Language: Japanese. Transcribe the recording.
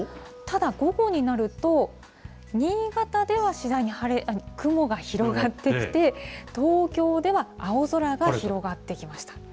ただ、午後になると、新潟では次第に雲が広がってきて、東京では青空が広がってきました。